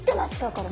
これ。